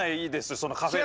そのカフェラテ。